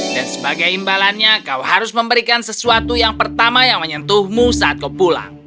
dan sebagai imbalannya kau harus memberikan sesuatu yang pertama yang menyentuhmu saat kau pulang